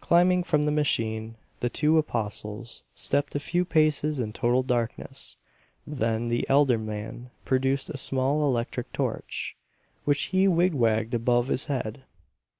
Climbing from the machine, the two apostles stepped a few paces in total darkness; then the elder man produced a small electric torch, which he wig wagged above his head.